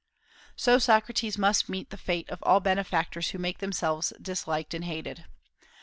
So Socrates must meet the fate of all benefactors who make themselves disliked and hated.